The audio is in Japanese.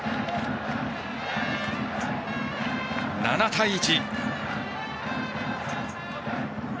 ７対１。